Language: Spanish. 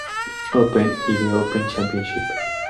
Open y The Open Championship.